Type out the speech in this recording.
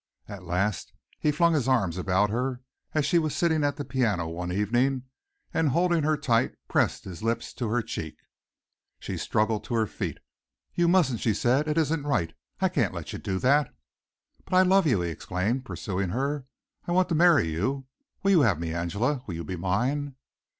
At last he flung his arms about her as she was sitting at the piano one evening and holding her tight pressed his lips to her cheek. She struggled to her feet. "You musn't," she said. "It isn't right. I can't let you do that." "But I love you," he exclaimed, pursuing her. "I want to marry you. Will you have me, Angela? Will you be mine?"